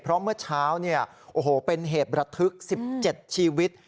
เพราะเมื่อเช้าเป็นเหตุระทึก๑๗ชีวิต